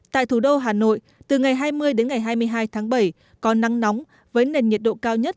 tại thủ đô hà nội từ ngày hai mươi đến ngày hai mươi hai tháng bảy có nắng nóng với nền nhiệt độ cao nhất